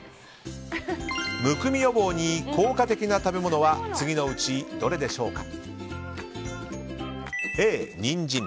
むくみ予防に効果的な食べ物は次のうちどれでしょうか？